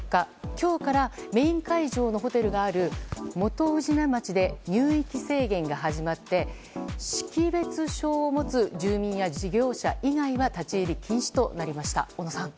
今日から、メイン会場のホテルがある元宇品町で入域制限が始まって識別証を持つ住民や事業者以外は立ち入り禁止となりました。